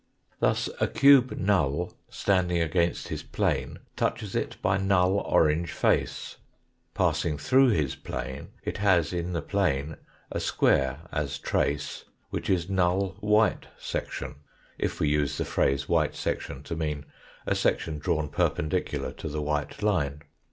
Thus a cube null standing against his plane touches it by null orange face, passing through his plane it has in the plane a square as trace, which is null white section, if we use the phrase white section to mean a section drawn perpendicular to the white line.